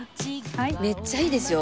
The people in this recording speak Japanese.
めっちゃいいですよ。